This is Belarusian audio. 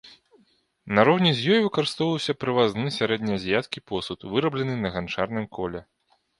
Нароўні з ёй выкарыстоўваўся прывазны сярэднеазіяцкі посуд, выраблены на ганчарным коле.